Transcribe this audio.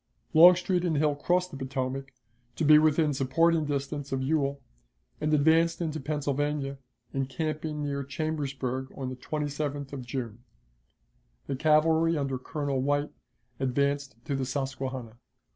Longstreet and Hill crossed the Potomac, to be within supporting distance of Ewell, and advanced into Pennsylvania, encamping near Chambersburg on the 27th of June. The cavalry, under Colonel White, advanced to the Susquehanna.